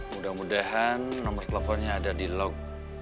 mudah mudahan nomor teleponnya ada di log